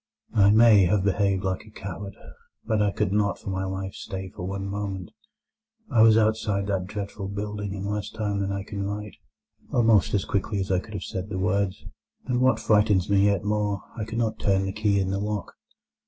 I may have behaved like a coward, but I could not for my life stay for one moment. I was outside that dreadful building in less time than I can write—almost as quickly as I could have said—the words; and what frightens me yet more, I could not turn the key in the lock.